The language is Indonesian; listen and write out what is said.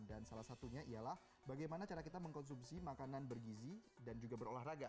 dan salah satunya ialah bagaimana cara kita mengkonsumsi makanan bergizi dan juga berolahraga